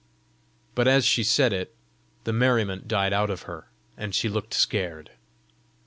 But as she said it, the merriment died out of her, and she looked scared.